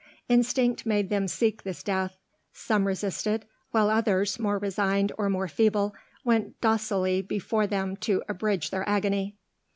Instinct made them seek this death; some resisted, while others, more resigned or more feeble, went docilely before them to abridge their agony.